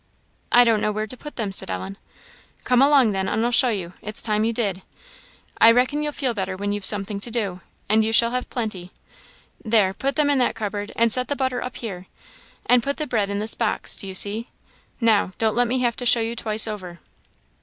"I don't know where to put them," said Ellen. "Come along then, and I'll show you; it's time you did. I reckon you'll feel better when you've something to do, and you shall have plenty. There, put them in that cupboard, and set the butter up here, and put the bread in this box, do you see? now don't let me have to show you twice over."